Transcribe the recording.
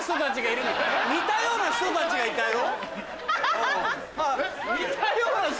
似たような人たちがいたよ。